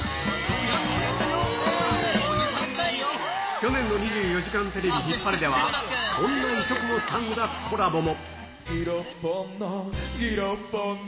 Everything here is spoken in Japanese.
去年の２４時間テレビ・ヒッパレでは、こんな異色のサングラスコラボも。